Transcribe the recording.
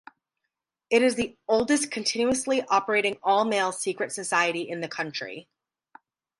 It is the oldest continuously operating all-male secret society in the country.